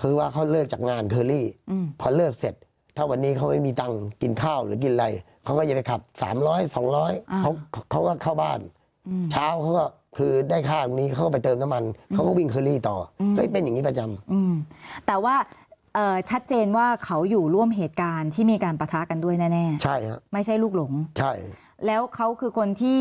คือว่าเขาเลิกจากงานเคอรี่อืมพอเลิกเสร็จถ้าวันนี้เขาไม่มีตังค์กินข้าวหรือกินอะไรเขาก็จะไปขับสามร้อยสองร้อยเขาเขาก็เข้าบ้านเช้าเขาก็คือได้ค่าตรงนี้เขาก็ไปเติมน้ำมันเขาก็วิ่งเคอรี่ต่อเฮ้ยเป็นอย่างงี้ประจำอืมแต่ว่าเอ่อชัดเจนว่าเขาอยู่ร่วมเหตุการณ์ที่มีการปะทะกันด้วยแน่ใช่ครับไม่ใช่ลูกหลงใช่แล้วเขาคือคนที่